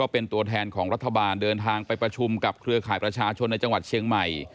เป็นตัวแทนของรัฐบาลเดินทางไปประชุมกับเครือข่ายประชาชนในจังหวัดเชียงใหม่